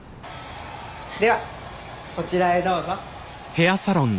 ではこちらへどうぞ。